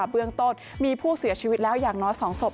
เบื้องต้นมีผู้เสียชีวิตแล้วอย่างน้อย๒ศพ